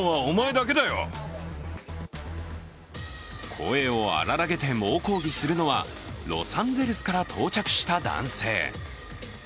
声を荒らげて猛抗議するのはロサンゼルスから到着した男性。